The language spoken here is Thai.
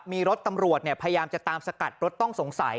มีรถตำรวจพยายามจะตามสกัดรถต้องสงสัย